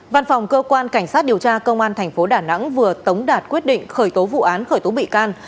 văn phòng cơ quan cảnh sát điều tra công an tp đà nẵng vừa tống đạt quyết định khởi tố vụ án khởi tố bị can